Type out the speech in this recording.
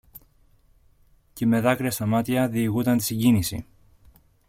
και με δάκρυα στα μάτια διηγούνταν τη συγκίνηση